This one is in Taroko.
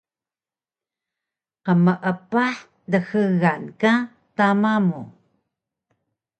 Qmeepah dxgal ka tama mu